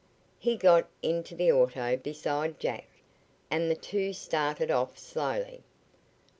He got into the auto beside Jack, and the two started off slowly.